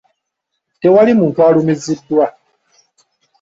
Tewali muntu alumiziddwa.